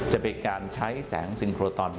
จะเป็นการใช้แสงซิงโครตอน